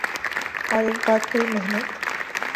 اورایک بار پھر محنت